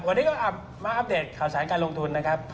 วันนี้ก็มาอัปเดตข่าวสารการลงทุนนะครับ